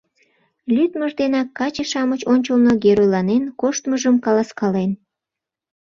Лӱдмыж денак каче-шамыч ончылно геройланен коштмыжым каласкален.